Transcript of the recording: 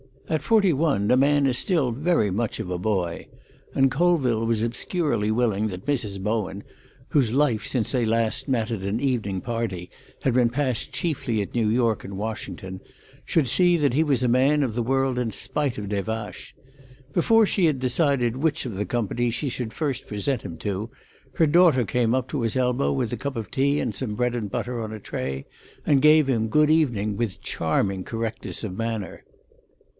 — At forty one a man is still very much of a boy, and Colville was obscurely willing that Mrs. Bowen, whose life since they last met at an evening party had been passed chiefly at New York and Washington, should see that he was a man of the world in spite of Des Vaches. Before she had decided which of the company she should first present him to, her daughter came up to his elbow with a cup of tea and some bread and butter on a tray, and gave him good evening with charming correctness of manner.